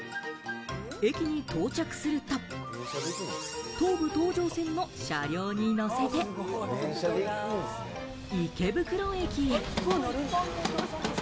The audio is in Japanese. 駅に到着すると、東武東上線の車両にのせて池袋駅へ。